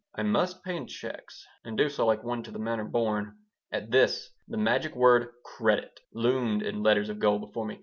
"I must pay in checks, and do so like one to the manner born." At this the magic word "credit" loomed in letters of gold before me.